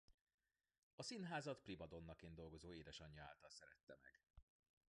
A színházat primadonnaként dolgozó édesanyja által szerette meg.